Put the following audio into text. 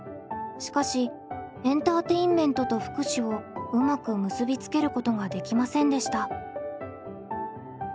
しかしエンターテインメントと福祉をうまく結び付けることができませんでした。